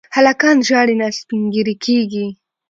هلکان ژاړي نه، سپين ږيري کيږي.